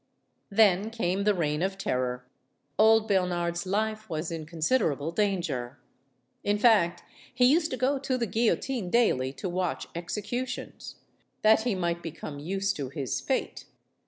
Then came the Reign of Terror. Old Bernard's life was in considerable danger. In fact he used to go to the guillotine daily to watch executions, "that he might become used to his fate."